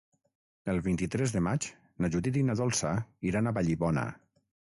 El vint-i-tres de maig na Judit i na Dolça iran a Vallibona.